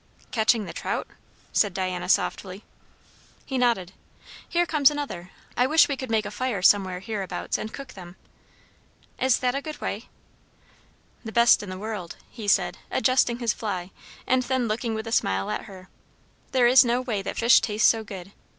"Catching the trout?" said Diana softly. He nodded. "Here comes another. I wish we could make a fire somewhere hereabouts and cook them." "Is that a good way?" "The best in the world," he said, adjusting his fly, and then looking with a smile at her. "There is no way that fish taste so good.